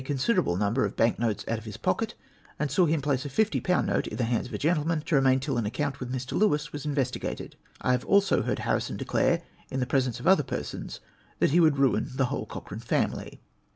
considerable number of bank notes out of his pocket, and saw him place a 50^. note in the hands of a gentleman, to remain till an account with Mr. Lewis was investigated. I have also heard Harrison declare, in tlie presence of other persons, that lie vjould ruin the whole Cochrane famihj.